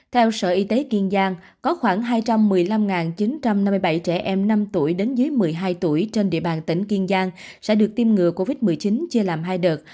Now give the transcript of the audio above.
theo sở y tế kiên giang có khoảng hai trăm một mươi năm chín trăm năm mươi bảy trẻ em năm tuổi đến dưới một mươi hai tuổi trên địa bàn tỉnh kiên giang sẽ được tiêm ngừa covid một mươi chín chia làm hai đợt